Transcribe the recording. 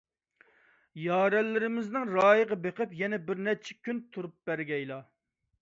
يارەنلىرىمىزنىڭ رايىغا بېقىپ، يەنە بىرنەچچە كۈن تۇرۇپ بەرگەيلا.